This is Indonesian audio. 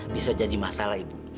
bisa jadi masalah ibu